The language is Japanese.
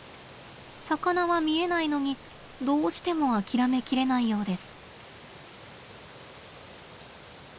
魚は見えないのにどうしても諦めきれないようです。